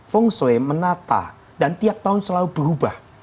feng shui menata dan tiap tahun selalu berubah